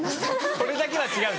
それだけは違う。